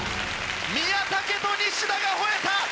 宮武と西田が吠えた！